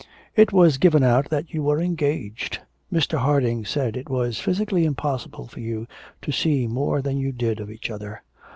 'It was given out that you were engaged. Mr. Harding said it was physically impossible for you to see more than you did of each other.'